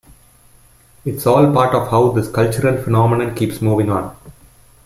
It's all part of how this cultural phenomenon keeps moving on.